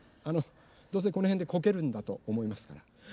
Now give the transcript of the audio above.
あのどうせこのへんでこけるんだとおもいますから。